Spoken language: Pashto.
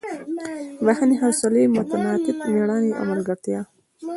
بښنې حوصلې متانت مېړانې او ملګرتیا.